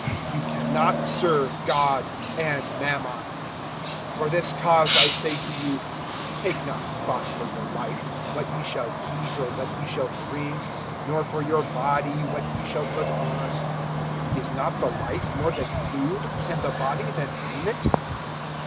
Ye can not serve God and Mammon. (25)For this cause I say to you, take not thought for your life, what ye shall eat, or what ye shall drink; nor for your body, what ye shall put on. Is not the life more than food, and the body than raiment?